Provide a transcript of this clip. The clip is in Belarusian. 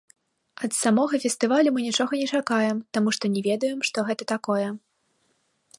Ад самога фестывалю мы нічога не чакаем, таму што не ведаем, што гэта такое.